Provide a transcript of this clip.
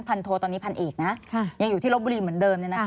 พันโทตอนนี้พันเอกยังอยู่ที่โรบบุรีอย่างเดิม